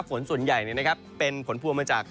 ฝนส่วนใหญ่เป็นผลพวงมาจาก